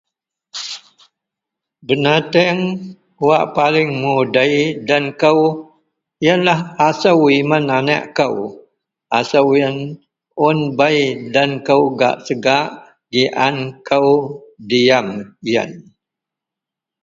Binatang wak paling mudei den kou yianlah asu niman aniek kou yian bei den kou gak segak gik an ako diam.